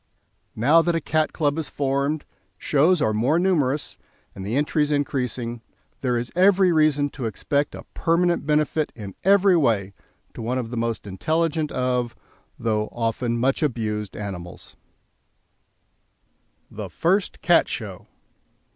Now that a Cat Club is formed, shows are more numerous, and the entries increasing, there is every reason to expect a permanent benefit in every way to one of the most intelligent of (though often much abused) animals. THE FIRST CAT SHOW.